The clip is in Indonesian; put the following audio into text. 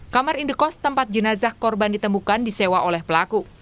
kamar indekos tempat jenazah korban ditemukan disewa oleh pelaku